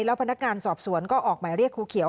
แล้วพนักงานสอบสวนก็ออกหมายเรียกครูเขียว